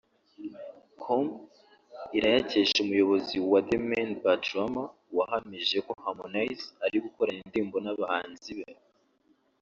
com irayakesha umuyobozi wa The Mane Bad Rama wahamije ko Harmonize ari gukorana indirimbo n’abahanzi be